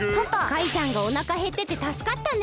カイさんがおなかへっててたすかったね。